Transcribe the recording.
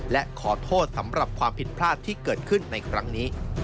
และขอโทษสำหรับความผิดพลาดที่เกิดขึ้นในครั้งนี้